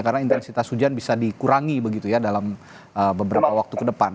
karena intensitas hujan bisa dikurangi begitu ya dalam beberapa waktu kedepan